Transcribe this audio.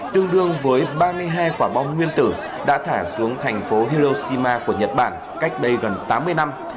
tương đương với ba mươi hai quả bom nguyên tử đã thả xuống thành phố hiloshima của nhật bản cách đây gần tám mươi năm